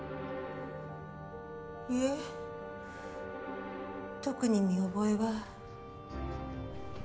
いえ特に見覚えは。